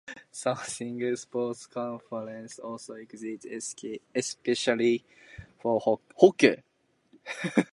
Some single sport conferences also exist, especially for hockey.